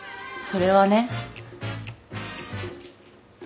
それはね